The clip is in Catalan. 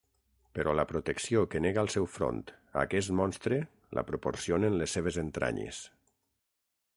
Però la protecció que nega el seu front a aquest monstre la proporcionen les seves entranyes.